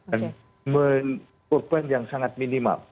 dan mengorban yang sangat minimal